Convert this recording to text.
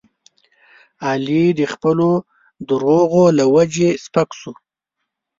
علي د خپلو دروغو له وجې سپک شو.